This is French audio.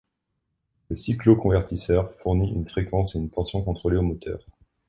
Le cycloconvertisseur fournit une fréquence et une tension contrôlés au moteur.